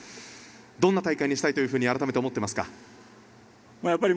どんな大会にしたいと改めて思っていますか？